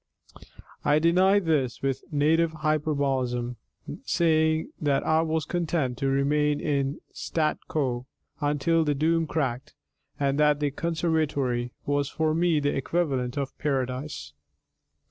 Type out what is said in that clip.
I denied this with native hyperbolism, saying that I was content to remain in statu quo until the doom cracked, and that the conservatory was for me the equivalent of Paradise.